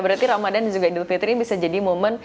berarti ramadhan dan indopetri bisa jadi momen